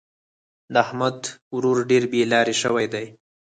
د احمد ورور ډېر بې لارې شوی دی.